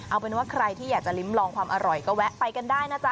เอาเป็นว่าใครที่อยากจะลิ้มลองความอร่อยก็แวะไปกันได้นะจ๊